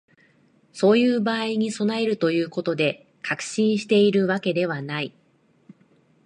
そういう場合に備えるということで、確信しているわけではない